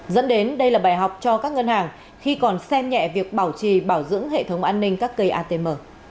dẫn đến đây là bài học cho các ngân hàng khi còn xem nhẹ việc bảo trì bảo dưỡng hệ thống an ninh các cây atm